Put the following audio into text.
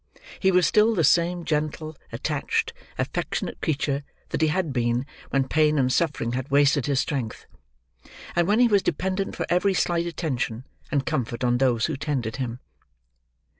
He was still the same gentle, attached, affectionate creature that he had been when pain and suffering had wasted his strength, and when he was dependent for every slight attention, and comfort on those who tended him.